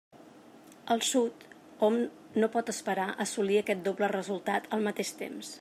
Al Sud hom no pot esperar assolir aquest doble resultat al mateix temps.